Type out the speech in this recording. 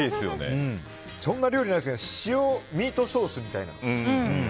そんな料理ないですけど塩ミートソースみたいな。